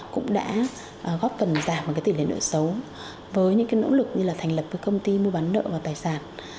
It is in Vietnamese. cũng đã góp phần giảm tỷ lệ nợ xấu với những nỗ lực như thành lập công ty mua bán nợ và tài sản